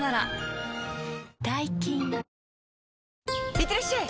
いってらっしゃい！